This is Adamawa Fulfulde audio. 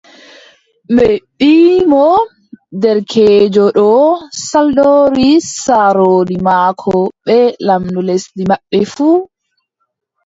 Ɓe mbii mo : derkeejo ɗo saldori saarooji maako bee lamɗo lesdi maɓɓe fuu,